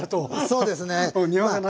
そうですね。